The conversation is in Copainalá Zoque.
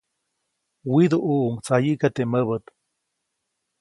Widuʼuʼuŋ tsayiʼka teʼ mäbät.